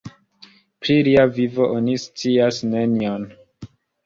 Pri lia vivo oni scias nenion.